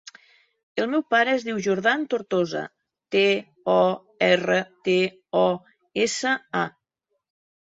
El meu pare es diu Jordan Tortosa: te, o, erra, te, o, essa, a.